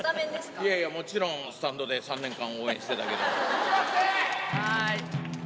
いやいや、もちろんスタンドで３年間応援してたけども。